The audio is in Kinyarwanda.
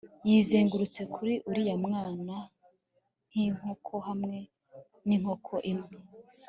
Yizengurutse kuri uriya mwana nkinkoko hamwe ninkoko imwe